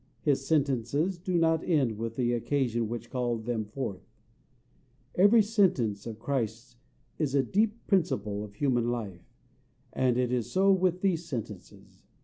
His sentences do not end with the occasion which called them forth: every sentence of Christ's is a deep principle of human life, and it is so with these sentences.